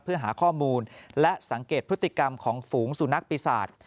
เพื่อหาข้อมูลและสังเกตพฤติกรรมของฝูงสุนัขปีศาจ